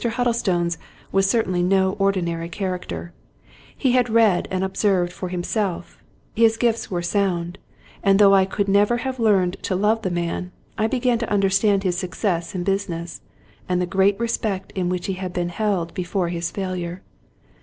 Huddlestone's was certainly no ordinary character; he had read and observed for himself; his gifts were sound; and, though I could never have learned to love the man, I began to understand his success in business, and the great respect in which he had been held before his failure.